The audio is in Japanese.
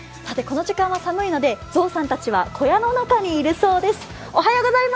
この時間は寒いので象さんたちは小屋の中にいるそうです。